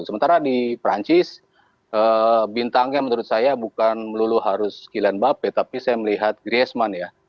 sementara di perancis bintangnya menurut saya bukan melulu harus kylian mbappe tapi saya melihat griesman ya